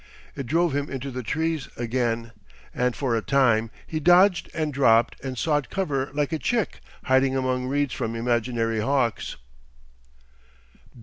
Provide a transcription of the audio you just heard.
It drove him into the trees again, and for a time he dodged and dropped and sought cover like a chick hiding among reeds from imaginary hawks.